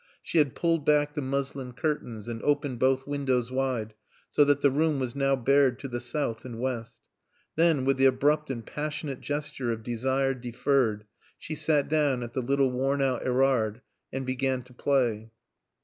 She had pulled back the muslin curtains and opened both windows wide so that the room was now bared to the south and west. Then, with the abrupt and passionate gesture of desire deferred, she sat down at the little worn out Erard and began to play.